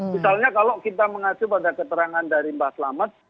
misalnya kalau kita mengacu pada keterangan dari mbak selamat